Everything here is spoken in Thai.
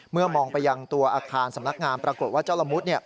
มองไปยังตัวอาคารสำนักงานปรากฏว่าเจ้าละมุด